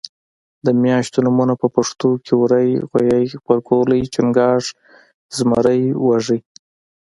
د میاشتو نومونه په پښتو کې وری غویي غبرګولی چنګاښ زمری وږی